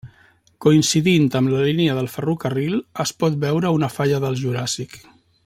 Coincidint amb la línia del ferrocarril es pot veure una falla del Juràssic.